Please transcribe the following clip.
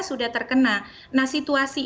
sudah terkena nah situasi